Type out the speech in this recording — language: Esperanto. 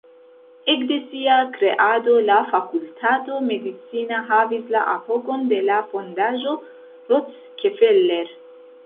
Ekde sia kreado, la Fakultato Medicina havis la apogon de la Fondaĵo Rockefeller.